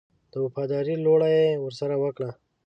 د وفاداري لوړه یې ورسره وکړه.